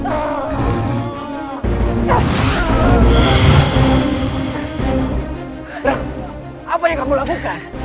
apa yang kamu lakukan